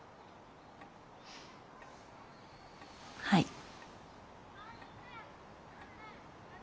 はい。